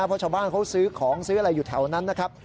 เพราะชาวบ้านเขาซื้อของซื้ออะไรอยู่แถวนั้นนะครับ